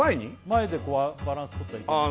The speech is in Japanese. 前でバランス取ったらいける？